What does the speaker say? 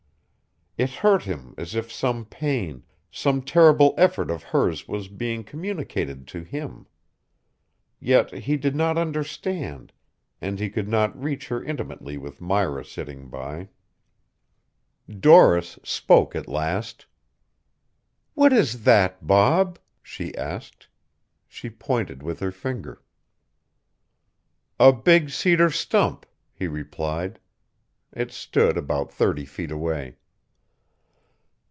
It hurt him as if some pain, some terrible effort of hers was being communicated to him. Yet he did not understand, and he could not reach her intimately with Myra sitting by. Doris spoke at last. "What is that, Bob?" she asked. She pointed with her finger. "A big cedar stump," he replied. It stood about thirty feet away.